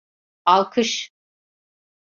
Alkış!